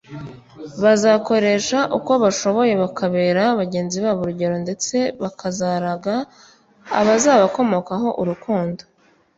bazakoresha uko bashoboye bakabera bagenzi babo urugero ndetse bakazaraga abazabakomokaho urukundo